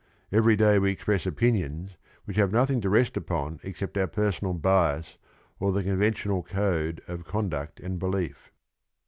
Every day we express opinions which have nothing to rest upon except our personal bias or the conventional code of conduct and belief.